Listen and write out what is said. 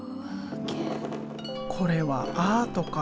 これはアートか？